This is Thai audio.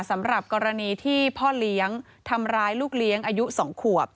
สำหรับกรณีที่พ่อเลี้ยงทำร้ายลูกเลี้ยงอายุ๒ขวบ